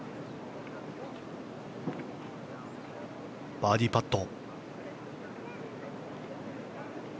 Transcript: バーディーパット。